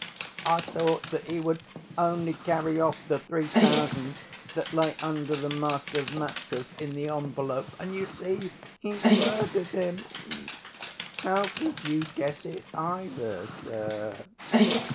I thought that he would only carry off the three thousand that lay under the master's mattress in the envelope, and you see, he's murdered him. How could you guess it either, sir?"